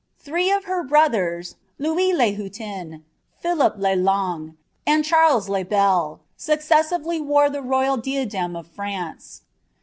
Three of her brothers, Louis le Hiitie< Philip le Long, and Charles le Bel, successively wore the royal imAai of France.